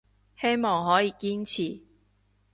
希望可以堅持